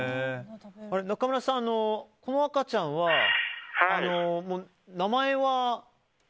中村さん、この赤ちゃんは名前は？